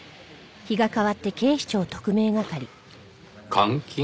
監禁？